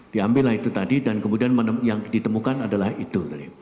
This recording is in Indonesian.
diambillah itu tadi dan kemudian yang ditemukan adalah itu